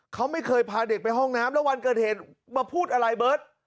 เขาไม่เคยพาเด็กไปห้องน้ำแล้ววันเกิดเหตุมาพูดอะไรเบิร์ต